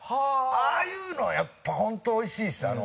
ああいうのはやっぱ本当おいしいですよ。